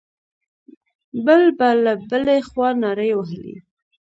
بل به له بلې خوا نارې وهلې.